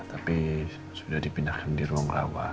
tapi sudah dipindahkan di ruang rawa